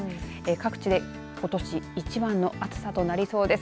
各地でことし一番の暑さとなりそうです。